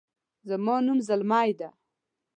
زما نوم زلمۍ ده